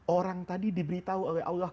orang tadi diberitahu oleh allah